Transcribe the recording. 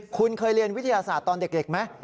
คุณเคยเรียนวิทยาศาสตร์ตอนเด็กไหม